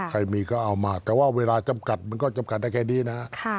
ใครมีก็เอามาแต่ว่าเวลาจำกัดมันก็จำกัดได้แค่นี้นะฮะ